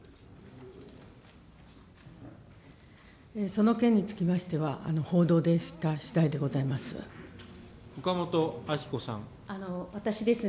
その件につきましては、報道で知ったしだいでございます。